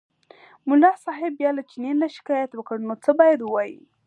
ملا صاحب بیا له چیني نه شکایت وکړ نو څه به ووایي.